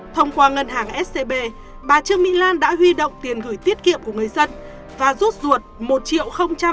thông qua ngân hàng scb bà trương mỹ lan đã huy động tiền gửi tiết kiệm của người dân để bà trương mỹ lan rút ruột